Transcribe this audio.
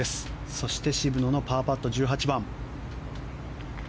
そして、渋野のパーパット１８番。